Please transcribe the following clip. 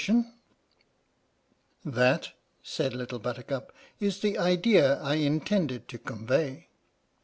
"PINAFORE" "That," said Little Buttercup, "is the idea I intended to convey."